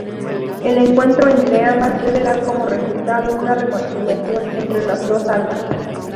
El encuentro entre ambas debe dar como resultado una reconciliación entre las dos almas.